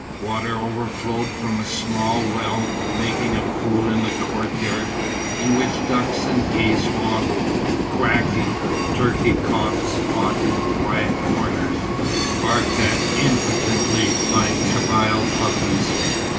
Water overflowed from a small well, making a pool in the courtyard, in which ducks and geese waddled, quacking, turkey cocks fought in quiet corners, barked at impotently by Kabyle puppies.